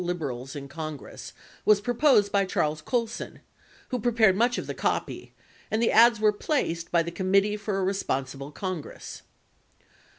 156 "radical liberals" in Congress was proposed by Charles Colson, who prepared much of the copy, and the ads were placed by the "Com mittee for a Responsible Congress."